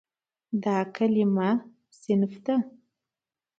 دا کلمه "صنف" ده.